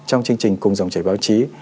trong chương trình cùng dòng trải báo chí